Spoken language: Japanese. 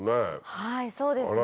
はいそうですね。